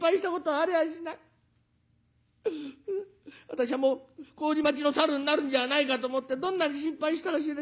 私はもう麹町のサルになるんじゃないかと思ってどんなに心配したか